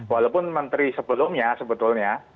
walaupun menteri sebelumnya sebetulnya